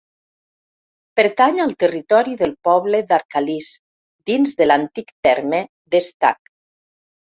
Pertany al territori del poble d'Arcalís, dins de l'antic terme d'Estac.